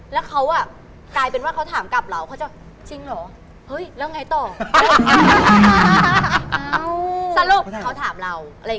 แล้วเขาอะกลายเป็นว่าเขาถามกับเรา